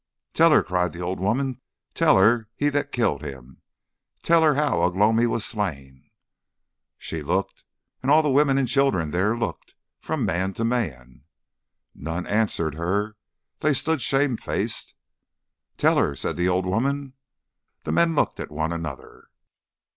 "Tell her," cried the old woman. "Tell her he that killed him. Tell her how Ugh lomi was slain." She looked, and all the women and children there looked, from man to man. None answered her. They stood shame faced. "Tell her," said the old woman. The men looked at one another.